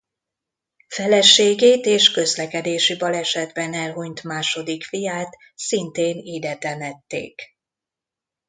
Feleségét és közlekedési balesetben elhunyt második fiát szintén ide temették.